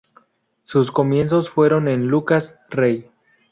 Sus comienzos fueron en Lucas Rey.